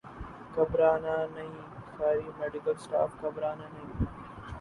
گھبرا نہ نہیں ساری میڈیکل سٹاف گھبرانہ نہیں